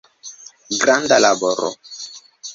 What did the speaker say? Granda laboro.